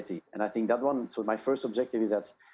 saya pikir itu untuk saya sebagai perusahaan